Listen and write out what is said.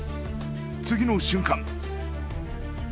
次の瞬間